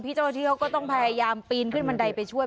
เจ้าหน้าที่เขาก็ต้องพยายามปีนขึ้นบันไดไปช่วย